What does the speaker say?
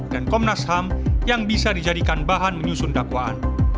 dan komnas ham yang bisa dijadikan bahan menyusun dakwaan